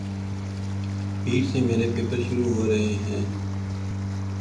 پیر سے میرے پیپر شروع ہورہے ھیںـ